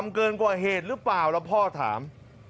เกินกว่าเหตุหรือเปล่าแล้วพ่อถาม